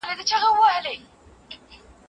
داستاني ادبیات په ښوونځي کې تدریس سول.